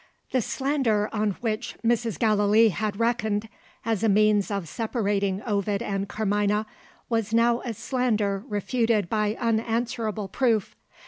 The slander on which Mrs. Gallilee had reckoned, as a means of separating Ovid and Carmina, was now a slander refuted by unanswerable proof.